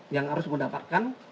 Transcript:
yang harus mendapatkan